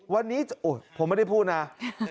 วันนี้ผมไม่ได้พูดนะ